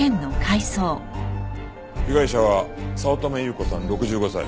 被害者は早乙女由子さん６５歳。